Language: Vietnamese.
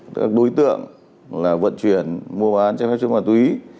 tức là đối tượng là vận chuyển mua bán cho phép chuyển ma túy